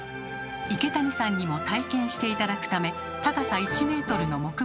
池谷さんにも体験して頂くため高さ１ｍの木馬を用意しました。